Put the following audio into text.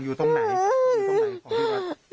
อยู่ตรงไหนอยู่ตรงไหนของที่วัด